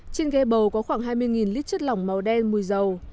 trên ghe bầu có khoảng hai mươi lít chất lỏng màu đen mùi dầu